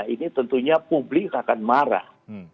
ini tentunya publik akan marah